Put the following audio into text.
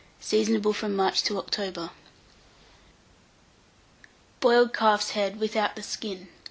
Seasonable from March to October. BOILED CALF'S HEAD (without the Skin).